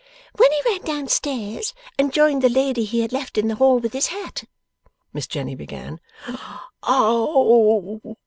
'When he ran down stairs and joined the lady he had left in the hall with his hat' Miss Jenny began. 'Oh!